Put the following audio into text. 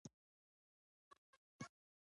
د کلي سپين ږيری مو احمد نیولی دی.